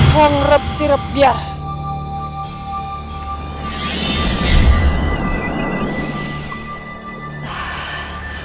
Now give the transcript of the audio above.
hong reb sireb biar